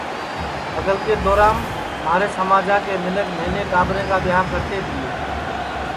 پہلکے دورام مھارے سماجا کے منکھ نہنے ٹاٻریں کا ٻیاں کرتے تیے